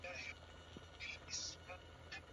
wa mvua na hazina inayojulikana na isiyojulikana